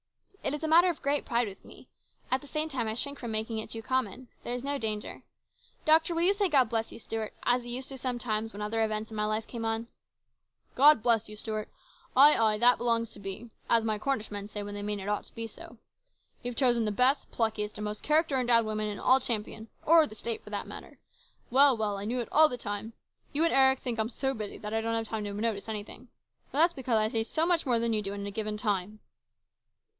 " It is a matter of great pride with me. And at the same time I shrink from making it too common. There is no danger. Doctor, will you say, ' God bless you, Stuart,' as you used to sometimes when other events in my life came on ?"" God bless you, Stuart ! Ay, ay, ( that belongs to be,' as my Cornish men say when they mean it ought to be so. You've chosen the best, pluckiest, and most character endowed woman in all Champion, or the State for that matter. Well, well, I knew it all the time ! You and Eric think I'm so busy that I don't have time to notice anything. But that's because I see so much more than you do in a given time."